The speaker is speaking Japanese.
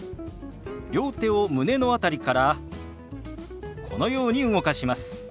両手を胸の辺りからこのように動かします。